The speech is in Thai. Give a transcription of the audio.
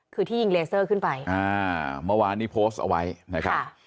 คือที่ยิงเลเซอร์ขึ้นไปอ่าเมื่อวานนี้โพสต์เอาไว้นะครับ